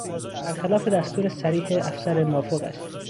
برخلاف دستور صریح افسر مافوقش